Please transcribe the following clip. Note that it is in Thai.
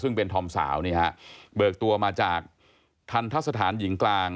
ซึ่งเป็นธอมสาวนี่ฮะเบิกตัวมาจากทันทะสถานหญิงกลาง